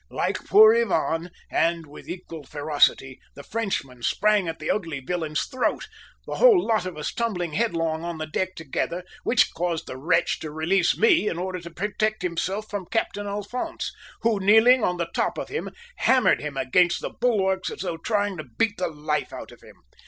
Like poor Ivan, and with equal ferocity, the Frenchman sprang at the ugly villain's throat, the whole lot of us tumbling headlong on the deck together, which caused the wretch to release me in order to protect himself from Captain Alphonse, who, kneeling on the top of him, hammered him against the bulwarks as though trying to beat the life out of him.